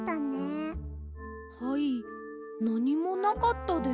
はいなにもなかったです。